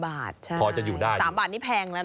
๑บาทใช่๓บาทนี่แพงแล้วนะ